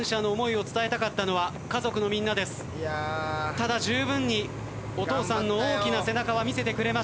ただじゅうぶんにお父さんの大きな背中は見せてくれました。